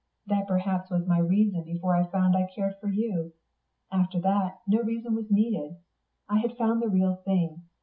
That perhaps was my reason before I found I cared for you. After that, no reason was needed. I had found the real thing....